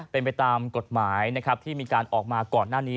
เป็นไปตามกฎหมายนะครับที่มีการออกมาก่อนหน้านี้